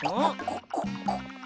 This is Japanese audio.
ここ。